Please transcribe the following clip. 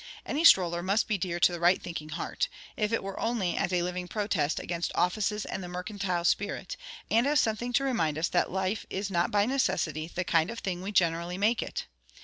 Any stroller must be dear to the right thinking heart; if it were only as a living protest against offices and the mercantile spirit, and as something to remind us that life is not by necessity the kind of thing we generally make it.